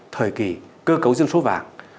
thời kỳ cơ cấu dân số vàng